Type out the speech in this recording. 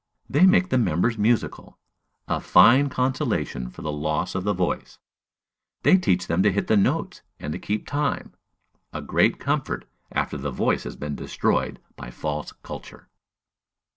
They make the members musical. A fine consolation for the loss of the voice! They teach them to hit the notes and to keep time. A great comfort after the voice has been destroyed by false culture!